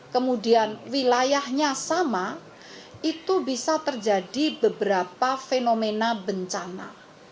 kemudian wilayahnya sama itu bisa terjadi beberapa fenomena bencana